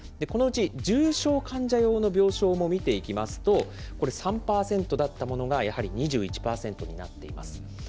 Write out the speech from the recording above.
このうち重症患者用の病床も見ていきますと、これ、３％だったものが、やはり２１％になっています。